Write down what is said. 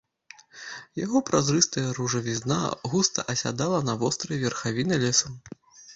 Яго празрыстая ружавізна густа асядала на вострыя верхавіны лесу.